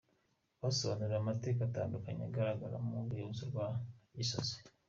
Basobanuriwe amateka atandukanye agaragara mu rwibutso rwa Gisozi.